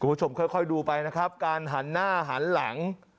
คุณผู้ชมค่อยดูไปนะครับการหันหน้าหันหลัง